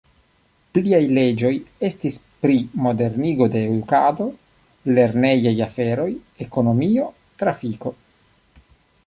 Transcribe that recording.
Pliaj leĝoj estis pri modernigo de edukado, lernejaj aferoj, ekonomio, trafiko.